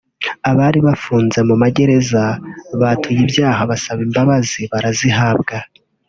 abari bafunze mu magereza batuye ibyaha basaba imbabazi barazihawe